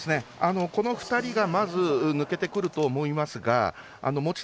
この２人がまず抜けてくると思いますが持ち